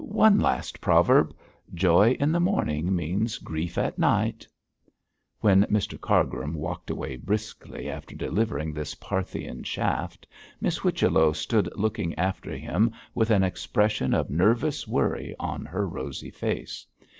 'One last proverb Joy in the morning means grief at night.' When Mr Cargrim walked away briskly after delivering this Parthian shaft, Miss Whichello stood looking after him with an expression of nervous worry on her rosy face.